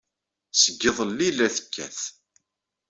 Seg yiḍelli ay la tekkat.